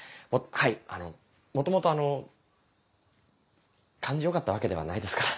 はいあの元々あの感じ良かったわけではないですから。